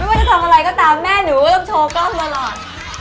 ว่าจะทำอะไรก็ตามแม่หนูก็ต้องโชว์กล้องตลอด